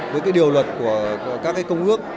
với điều luật của các công ước